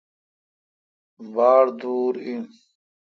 باڑ دور این۔